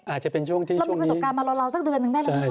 อาจจะเป็นช่วงที่ช่วงนี้เราไม่มีประสบการณ์มารอสักเดือนหนึ่งได้หรือเปล่าคะ